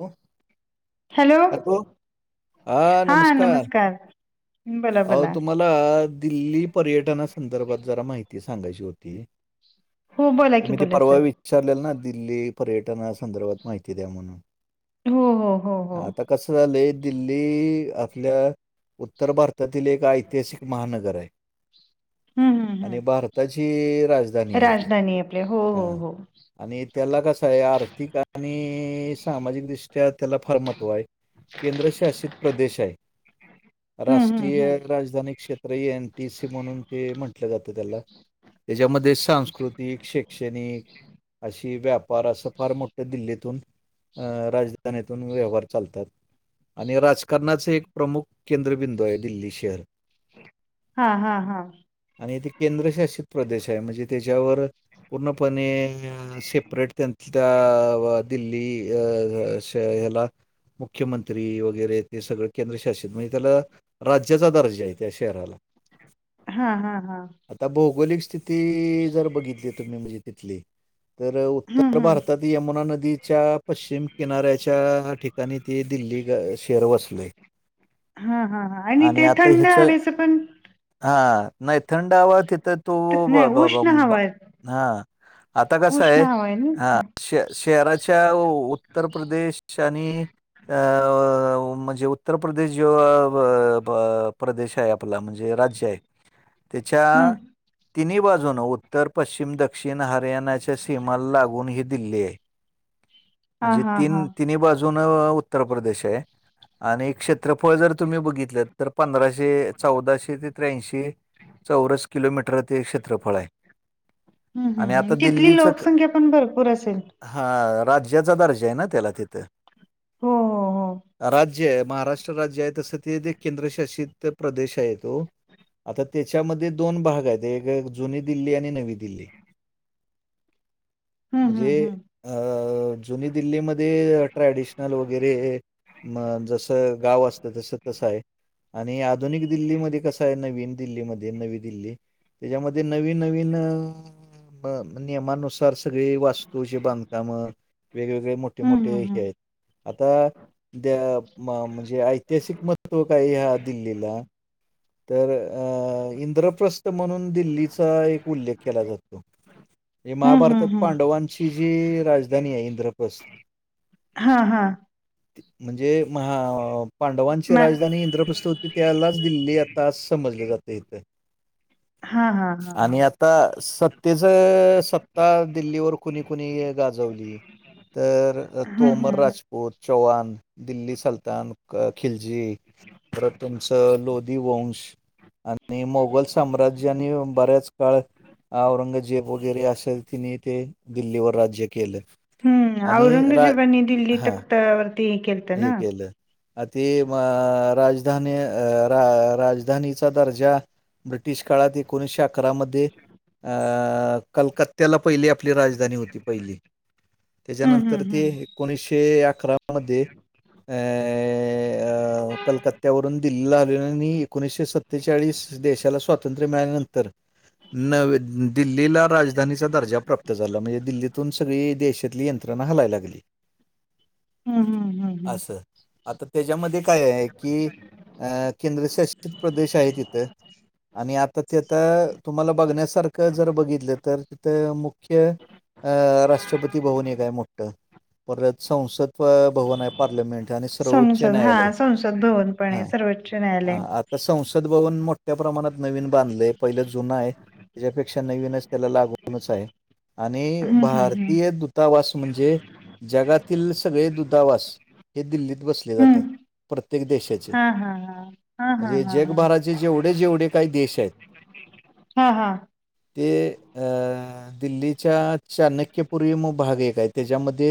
हॅ हॅलो हा नमस्कार. बोला अहो बोला तुम्हाला दिल्ली पर्यटना संदर्भात जरा माहिती सांगायची होती. हो बोला की तुम्ही ते बोला परवा सर विचारलेल ना दिल्ली पर्यटना संदर्भात माहिती द्या म्हणून. हो हो हो हो. आता कसं झालंय दिल्ली आपल्या उत्तर भार तील एक ऐतिहासिक महानगर आहे. हम्म हम्म आणि हम्म भारताची राजधानी आहे ती राजधानी आपले हो हो हं. हो आणि त्याला कसाय आर्थिक आणि सामाजिक दृष्टी त्या, त्याला फार महत्व हाय. केंद्रशासित प्रदेश हाय हम्म राष हम्म हम्म राजधानी क्षेत्र एनटीसी म्हणून ते म्हटलं जातं त्याला त्याच्यामध्ये सांस्कृतिक, शैक्षणिक. अशी व्यापार असं फार मोठं दिल्लीतून हं राजधानीतून व्यवहार चालतात. आणि राजकारणाच एक प्रमुख केंद्रबिंदू आहे दिल्ली शहर हा हा हा आणि तेे केंद्रशासित प्रदेश हाय म्हणजे त्याच्यावर पूर्णपणे सेपरेट त्यां त्यांल्या दिल्ली अं... याला मुख्यमंत्री वगैरे ते सगळं केंद्रशासित म्हणजे त्याला राज्याचा दर्जा आहे त्या शहराला हा हा हा आता भौगोलिक स्थिती जर बघितली तुम्ही म्हणजे तिथली तर उत्तर हम्म हम्म भारतात यमुना नदीच्या पश्चिम किनाऱ्याच्या ठिकाणी ते दिल्ली गा शहर वसलयं. हा हा हा आणि ते थंड हवेचं पण हां नाही थंडावा तिथे तू त- ब नाही ब उष्ण हवा बा आहे हां आता कस उष्ण आहे हवा ना हं श शहरा च्याऊ उत्तर प्रदेश आणि [inaudible] म्हणजे उत्तर प्रदेश जेव्हा अ ब प्रदेश आहे आपला म्हणजे राज्य आहे त्याच्या हम्म तिन्ही बाजूनं उत्तर पश्चिम दक्षिण हरियाणाच्या सीमाला लागून ही दिल्ली आहे हा म्हणजे हा हा तीन तिन्ही बाजूनं उत्तर प्रदेश आहे आणि क्षेत्रफळ जर तुम्ही बघितलं तर पंधराशे चौदाशे ते त्र्यांशी चौरस किलोमीटर ते क्षेत्रफळ आहे हम्म आणि हम्म आता हम् तिथली दिल्लीचं क- लोकसंख्या पण भरपूर असेल हा राज्याचा दर्जा आहे ना त्याला तिथं हो हो राज्य आहे महाराष्ट्र राज्य आहे तसं ते दे केंद्रशासित प्रदेश आहे तो आता त्याच्यामध्ये दोन भाग आहेत एक हाय जुनी दिल्ली आणि नवी दिल्ली हम्म म्हणजे हम्म अ जुनी दिल्लीमध्ये ट्रॅडिशनल वगैरे मग जसं गाव असत त जसं तसं आहे आणि आधुनिक दिल्लीमध्ये कसं आहे नवीन दिल्लीमध्ये नवी दिल्ली त्याच्यामध्ये नवीन नवीन म नियमानुसार सगळी वास्तू जे बांधकामं वेगवेगळे मोठ ठे हम्म हम्म मोठे हम्म हे आहेत आता दे म म्हणजे आय तिहासिक महत्व काय ह्या दिल्लीला तर अ इंद्रप्रस्थ म्हणून दिल्लीचा एक उल्लेख केला जातो हे हम्म हम्म महाभारतात हम्म हम्म पांडवांची जी राजधानी आहे इंद्रप्रस् हा हा म्हणजे महा पांडवांची म राजधानी इंद्रप्रस्थ होती त्यालाच दिल्ली आत ता समजली जाते इथं हा हा हा आणि हा आता स त्तेचं सत्ता दिल्लीवर कुणी कुणी गाजवली तर अ हम्म तोमर हम्म राज पुत, चौहान, दिल्ली सलतान, क खिलजी परत तुमचं लोध धी वंश आणि मोघल सम्राज्यानी बऱ्याच काळ औरंगजेब वगैरे असेल तीनी ते दिल्लीवर राज्य केलं हम्म आणि रा औरंगजेबानी दिल्ली हा तक्त वरती केल हे केलं अ ति अ राजधानी अ रा राजधानीचा दर्जा ब्रिटिश काळात एकोणीशे अकरामध्ये अ कलकत त्याला पहिली आपली राजधानी होती पहिली हम्म त्याच्यानंतर हम्म ते हम्म एकोणीसशे अकरा मध्ये अ अं कलकत्त्यावरून दिल्लीला आलेले आणि एकोणीसशे सत्तेचाळीस देशाला स्वातंत्र्य मिळाल्यानंतर नवी दिल्लीला राजधानीचा दर्जा प्राप्त झाला म्हणजे दिल्लीतून सगळी देश तली यंत्रणा हालाय लागली हम्म हम्म हम्म हम्म असं आता तेजामध्ये काय हाय की अ केंद्रशासित प्रदेश आहे तिथं आणि आता ते आता तुम्हाला बघण्यासारखं जर बघितलं तर तिथं मुख्य अ राष्ट्रपती भवन एक हाय मोठं परत संसद प भवन हाय पार्लमेंट आणि सर्वोच्च संसद हा न्यायालय संसद भवन पण हा आहे सर्वोच्च न्यायालय आत संसद भवन मोठ्या प्रमाणात नवीन बांधलय पहिलं जुन आहे त्याच्यापेक्षा नवीनच त्याला लागूनच आहे. आणि हम्म हम्म हम्म भारतीय दूतावास म्हणजे, जगातील सगळे दू तावास, हे दिल्लीत बस आता म्हणजे हम्म प्रत्येक देशाचे. हा हा हा हा म्हणजे हा हा जगभराचे जेवढे जेवढे काय देश आहेत, हा हा! ते अं दिल्लीच्या चाणक्यपूरी म भाग एक आहे. त्याच्यामदे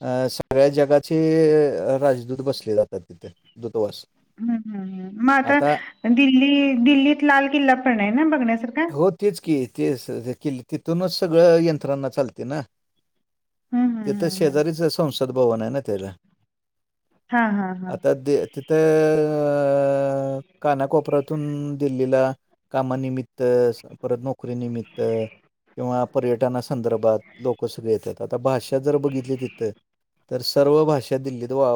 अं सगळ्या जगात चे राजदूत बसले जातात तिथे दूतवास. हूं हूं, मग आता, दिल्ली दिल्लीत लाल किल्ला पण आहे ना बघण्यासारखा? हो तेच की, ते किला. तिथूनच सगळं यंत्रना चालती ना? हम्म हम्म तिथं हम्म हम्म शेजारीच संसद भवन आहे ना. तेला. हा हा हा आता दे तिथं अ कानाकोपऱ्यातून दिल्लीला कामानिमित्त परत नोकरीनिमित्त, किंवा पर्यटनासंदर्भात लोकं सगळी येतात. आता भाषा जर बघितली तिथं तर सर्व भाषा दिल्लीत वा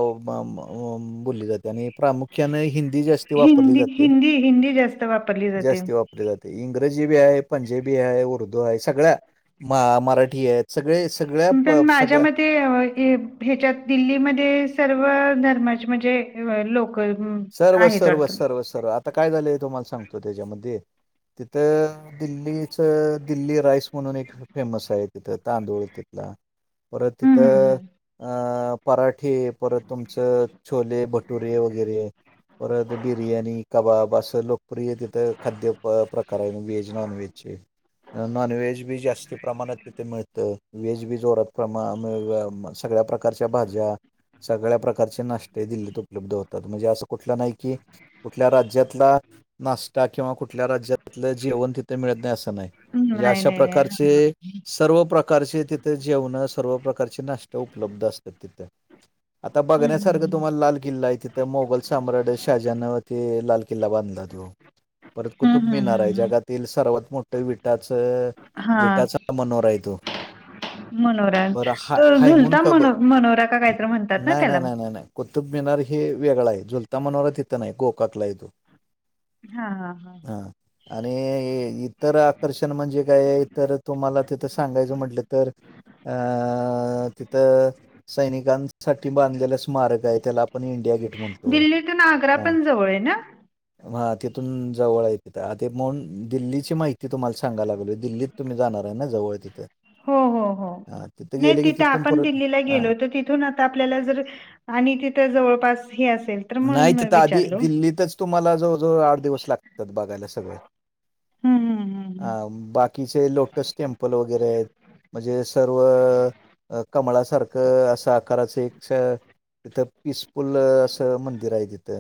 बोलली जाते आणि प्रामुख्यानं हिंदी जास्ती वापरली जाते. ही हिंदी जास्त वापरली जाते. जास्ती वापरली जाते. इंग्रजी बी यं, पंजाबी यं उर्दू यं सगळ्या म मराठी आहे सगळे, सगळ्या प सगळ्या ते ह्याच्यात, दिल्लीमध्ये सर्व धर्माचे म्हणजे लोक हं, सर्व, आहेत सर्व, वाटतं. सर्व, सर्व. आता काय झालंय तुम्हाला सांगतो त्याच्यामध्ये तिथं दिल्लीचं, दिल्ली राईस म्हणून एक फेमस आहे तिथं, तांदूळयं तिथला. परत हं, हं, तिथं हं. अ पराठे, परत तुमचं छोले भटुरे वगैरे परत बिर्याणी, कबाब असं लोकप्रिय तिथं खाद्य प्रकारयं वेज नॉनवेजचे. नॉनवेज बी जास्ती प्रमाणात तिथे मिळतं. व्हेज बी जोरात प्रमा, मूळव्या सगळ्या प्रकारच्या भाज्या, सगळ्या प्र कारचे नाश्ते दिल्लीत उपलब्ध होतात म्हणजे असं कुठलं नाही की कुठल्या राज्यातला नाश्ता किंवा कुठल्या राज्यातलं जेवण तिथं मिळत नाही असं नाही. नाही, अशा नाही, नाही. प्रकारचे हां. सर्व प्रकारचे तिथे जेवणं, सर्व प्रकारचे नाश्ता उपलब्ध असतात तिथे. आता हं, हं, बघण्यासारखं हं. तुम्हाला लाल किल्लायं तिथं मोबाईल मंग शहाजहानं ते लाल किल्ला बांधला त्यो. परत हं, कुतुब हं, हं, मिनारयं, हं. जगातील सर्वात मोठं विटाचं हां, विटाचा मनोराय तो. मनोरा. बरं हा तो हायमून झुलता कब. मनो मनोरा का काहीतरी म्हणतात ना नाय नाय त्याला? नाय नाय नाय. कुतुबमिनार हे वेगळायं. झुलता मनोरा तिथं नाय. गोकातलाय तो. हा हा हा. हा. आणि इतर आकर्षण म्हणजे काय. तर तुम्हाला तिथं सांगायचं म्हटलं तर अ तिथं सैनिकांसाठी बांधलेलं स्मारकयं, त्याला आपण इंडिया गेट म्हण दिल्लीतून आग्रा पण जवळ आहे ना? [inaudible] हा तिथून जवळय तिथं अ ते म्हणून दिल्लीची माहिती तुम्हाला सांगाय लागलोय दिल्लीत तुम्ही जाणार आहे ना? जवळ तिथं हो हो हो हा तिथं नाही गेले की तिथ तिथून आपण परत दिल्लीला हा गेलो होतो तीथ थून आता आपल्याला जर आणि तिथ जवळपास हे असेल तर नाय म्हणून तीथ आधी विचारलो. दिल्लीतच तुम्हाला जवळ जवळ आठ दिवस लागतात बघायला सगळं. हं, हं, हं, अ हं. बाकीचे लोटस टेम्पल वगैरे आहेत. म्हणजे सर्व कमळासारखं असं आकाराचं एक छ तिथं पिसफुल अस मंदिर आहे तिथ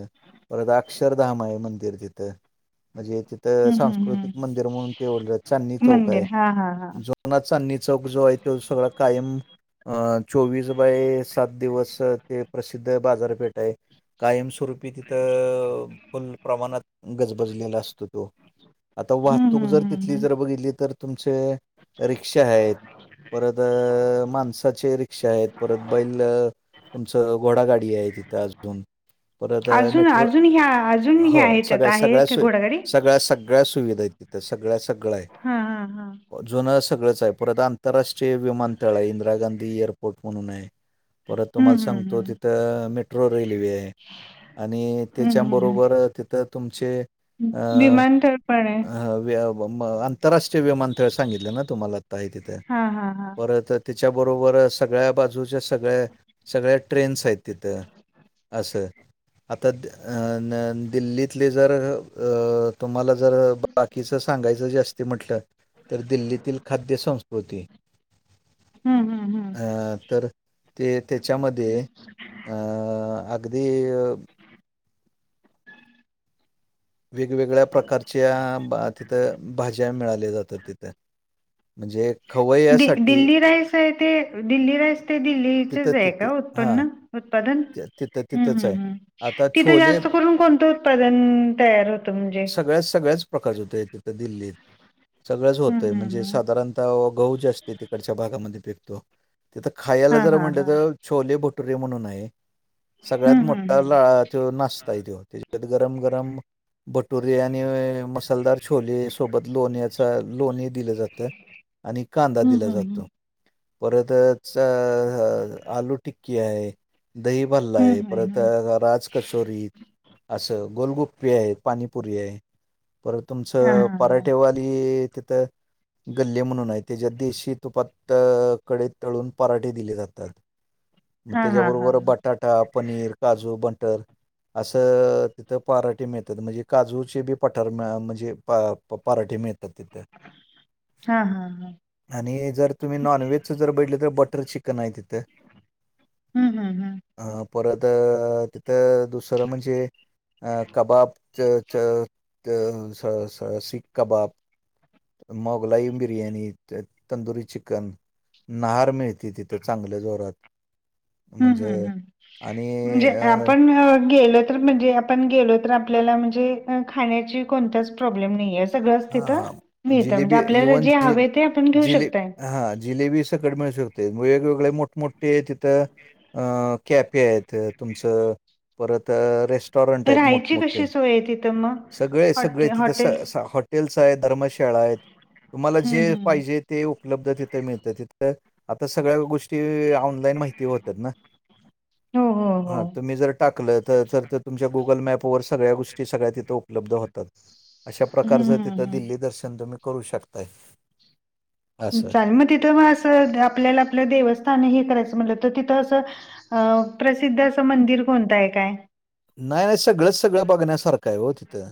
परत अक्षरधाम आहे मंदिर तिथ म्हणजे तिथं त हं, हं, हं. सांस्कृतिक मंदिर म्हणून ते ओढलं चांदणी चौक मंदिर आहे हा हा हा जो पुनात चांदणी चौक जो आहे तो सगळा कायम अ चोवीस बाय सात दिवस ते प्रसिद्ध बाजारपेठ आहे. कायमस्वरूपी ती त फुल प्रमाणात गजबजलेला असतो तो आता हम्म वाहतूक हम्म जर तिथ हम्म तथली हम्म जर बघितली तर तुमचे रिक्षा आहेत परत अ माणसाचे रिक्षा आहेत परत बैल तुमचं घोडा गाडीये तिथं आज परत अजून मेट्रो अजून ह्या अजून हो ह्या ह्याच्यात सगळ्या आहे सगळ्या का सो घोडागाडी सगळ्या सग सगळ्या सुविधायेत तिथं सगळ्या सगळं आहे. हा हा हा जुनं सगळंच आहे परत आंतरराष्ट्रीय विमानतळ आहे इंदिरा गांधी एअरपोर्ट म्हणून आहे. परत तुम्हाला हम्म हम्म सांगतो तिथं मेट्रो रेल्वेये. आणि हम्म हम्म हम्म त्याच्याबरोबर तिथं तुमचे हम्म अ विमानतळ पण आहे अ अ व्य आंतरराष्ट्रीय विमानतळ सांगितलं ना तुम्हाला आत्ता आहे तिथ हा हा हा परत त्याच्याबरोबर सगळ्या बाजूच्या सगळ्या सगळ्या ट्रेन्स आहेत तिथं. असं आता अनन दिल्लीतले जर तुम्हाला जर बाकीचं सांगायचं जास्ती म्हटलं तर दिल्लीतील खाद्य संस्कृती हम्म हम्म हम्म अ तर ते त्याच्यामध्ये अं अगदी वेगवेगळ्या प्रकारच्या बा तिथं भाज्या मिळाल्या जातात तिथं. म्हणजे दि खवय्यासाठी दिल्ली राईस आहे ते दिल्ली राईस ते तिथं दिल्लीचच आहे तिथे का हां, उत्पन्न? उत्पादन तिथं ह्म्म तिथंच हम्म आहे. हम्म आता तिथं छोले जास्त करून कोणतं उत्पादन तयार होत? सगळ्या सगळ्याच प्रकारचं होतय तिथं दिल्लीत सगळंच हम्म होतय हम्म म्हणजे हम्म साधारण गहू जास्ती तिकडच्या भागामध्ये पिकतो. तिथ खायाला हा जर हा म्हटल हा तर छोले भटुरे म्हणून आहे. सगळ्यात हम्म हम्म मोठ्या ला त्यो नाष्टाए त्यो. त्याच्यात गरम गरम भटुरीे आणि मसालदार छोले सोबत लोण्याचा लोणी दिलं जातं. आणि कांदा हम्म दिला हम्म जातो. हम्म परत च आलू टिक्की आहे. दही भल्लाये हम्म हम्म हम्म परत हम्म राज कचोरी, असं गोलगुप्पे आहेत, पाणीपुरी आहे. पर हा तुमचं पराठेवाली तिथं गल्ले म्हणून आहे त्याच्यात देशी तुपात कडईत तळून पराठे दिले जातात. मग हा हा हा हा त्याच्याबरोबर बटाटा, पनीर, काजू, बटर. असं तिथं पाराठे मिळतात म्हणजे काजूचे बी पठार म्हणजे प प पराठे मिळतात तिथं. हा. हा हा आणि जर तुम्ही नॉनव्हेजचं जर बघितलं तर बटर चिकन आहे तिथं. हम्म हम्म हम्म. अ परत त दुसरं म्हणजे अ कबाब च च ते स स सिक कबाब. मोगलाईन बिर्याणी त तंदुरी चिकन. नाहार मिळती तिथं चांगलं जोरात. हम्म म्हणजे हम्म हम्म आणि म्हणजे अ आपण गेलो तर म्हणजे आपण गेलो तर आपल्याला म्हणजे खाण्याची कोणताच प्रॉब्लेम नाही आहे सगळच हा तिथं हा मिळत म्हणजे जिलेबी आपल्याला इवन जे जि हवे आहे ते आपण घेऊ शकताय. तिकट मिळू शकते वेगवेगळे मोठमोठे तिथं अ कॅफे आहेत. तुमचं परत रेस्टॉरंट आहेत मोठमोठे. वेळ तिथे मग. सगळे हॉटे सगळे हॉटेल्स तिथं हॉटेल्स आहेत धर्मशाळा आहेत तुम्हाला हं जे हं. पाहिजे ते उपलब्ध तिथे मिळतं तिथं आता सगळ्या गोष्टी ऑनलाईन माहिती होतात ना. हो, हो, हो. हा तुम्ही जर टाकलं तर तर तुमच्या गुगल मॅपवर सगळ्या गोष्टी सगळ्या ति थं उपलब्ध होतात अशा हं प्रकारचं तिथं हं दिल्ली दर्शन तुम्ही करू शकताय. असं. चालेल मग तिथं म असं आपल्याला आपलं देवस्थान हे करायचं म्हटलं तर तिथं असं अ प्रसिद्ध असं मंदिर कोणत आहे काय? नाही नाही सगळंच सगळं बघण्यासारखं आहे हो तिथं.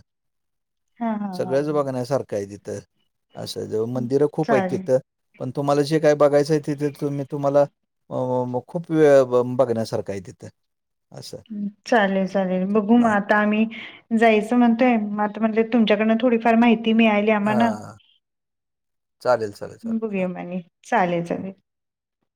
हां हां हां सगळंच हां. बघण्यासारखं आहे तिथं असं जवळ मंदिरं खूप आहेत चालेल. तिथं. पण तुम्हाला जे काय बघायचंय तिथे तुम्ही तुम्हाला म म म मग खूप वेळ बघण्यासारखं आहे तिथं असं. चालेल चालेल बघू मग हां, आता आम्ही जायचं म्हणतोय म आता म्हणलेत तुमच्याकडंन थोडीफार माहिती मिळा ली आम्हाना हां. चालेल, चालेल, चालेल. बघुया म आणि चालेल चालेल.